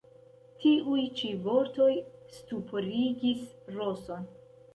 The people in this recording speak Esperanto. Tiuj ĉi vortoj stuporigis Roson.